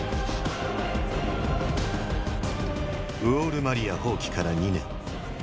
ウォール・マリア放棄から２年。